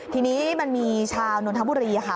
ทีนี้มันมีชาวนนทบุรีค่ะ